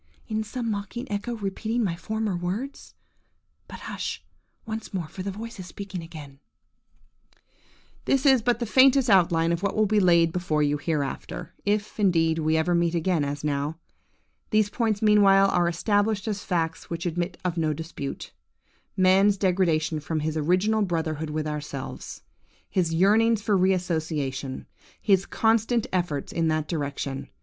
Is some mocking echo repeating my former words? But, hush once more, for the voice is speaking again:– "This is but the faintest outline of what will be laid before you hereafter, if, indeed, we ever meet again as now. These points meanwhile are established as facts which admit of no dispute:–man's degradation from his original brotherhood with ourselves; his yearnings for re association; his constant efforts in that direction.